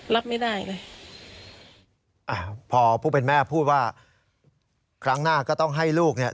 รับไม่ได้เลยอ่าพอผู้เป็นแม่พูดว่าครั้งหน้าก็ต้องให้ลูกเนี่ย